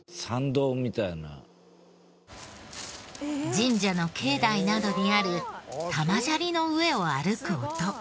神社の境内などにある玉砂利の上を歩く音。